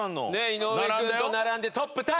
井上君と並んでトップタイ。